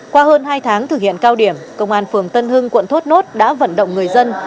qua hơn hai tháng thực hiện cao điểm công an phường tân hưng quận thốt nốt đã vận động người dân